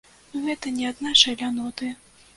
Гэта не ад нашай ляноты.